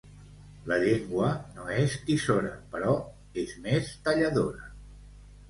La llengua no és tisora, però és més talladora.